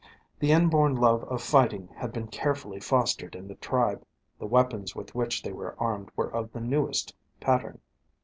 The inborn love of fighting had been carefully fostered in the tribe, the weapons with which they were armed were of the newest pattern.